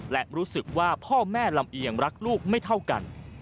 และรู้สึกว่าพ่อแม่ลำเอียงรักลูกไม่เท่ากัน